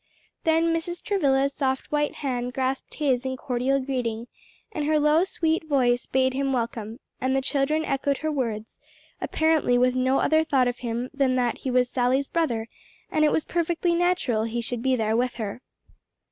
Then Mrs. Travilla's soft white hand grasped his in cordial greeting, and her low sweet voice bade him welcome; and the children echoed her words, apparently with no other thought of him than that he was Sally's brother and it was perfectly natural he should be there with her.